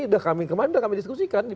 udah kami kemarin udah kami diskusikan di